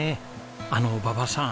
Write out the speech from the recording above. あの馬場さん